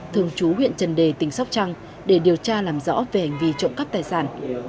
thường chú huyện trần đề tỉnh sóc trăng để điều tra làm rõ về hành vi trộm cắp tài sản